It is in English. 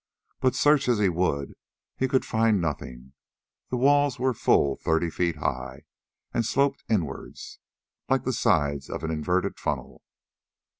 But search as he would he could find nothing; the walls were full thirty feet high, and sloped inwards, like the sides of an inverted funnel.